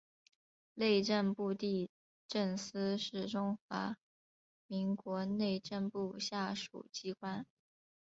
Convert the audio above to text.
内政部地政司是中华民国内政部下属机关。